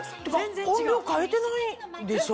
音量変えてないでしょ？